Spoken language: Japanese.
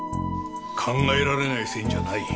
考えられない線じゃない。